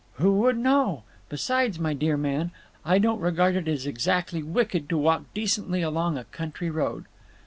"Who would know? Besides, my dear man, I don't regard it as exactly wicked to walk decently along a country road."